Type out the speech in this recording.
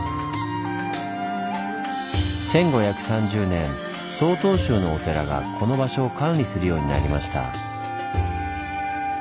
１５３０年曹洞宗のお寺がこの場所を管理するようになりました。